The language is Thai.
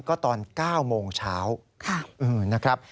ก็ตอน๙โมงเช้า